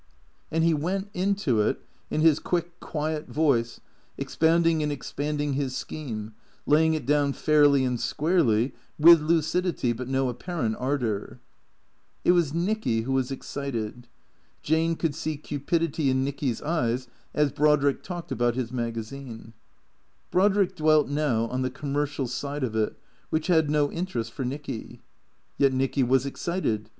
And he went into it, in his quick, quiet voice, expounding and expanding his scheme, laying it down fairly and squarely, with lucidity but no apparent ardour. It was Nicky who was excited. Jane could see cupidity in Nicky's eyes as Brodrick talked about his magazine. Brodrick dwelt now on the commercial side of it which had no interest for Nicky. Yet Nicky was excited.